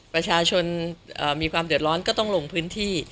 ประชาชนมีความเดือดร้อนก็ต้องลงพื้นที่